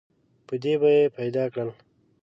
په دې به یې پیدا کړل.